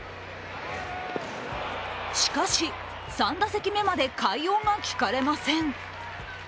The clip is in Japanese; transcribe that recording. しかし、３打席目まで快音が聞かれません。